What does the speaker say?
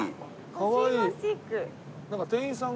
かわいい。